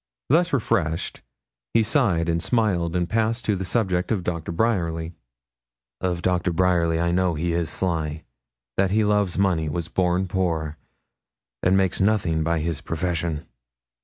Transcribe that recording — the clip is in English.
Thus refreshed, he sighed and smiled, and passed to the subject of Doctor Bryerly. 'Of Doctor Bryerly, I know that he is sly, that he loves money, was born poor, and makes nothing by his profession.